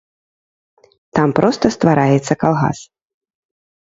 Там проста ствараецца калгас.